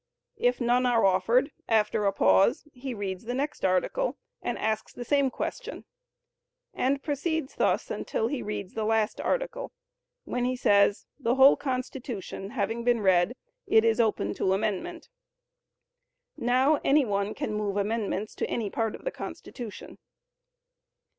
If none are offered, after a pause, he reads the next article and asks the same question, and proceeds thus until he reads the last article, when he says, "The whole Constitution having been read, it is open to amendment." Now any one can move amendments to any part of the Constitution.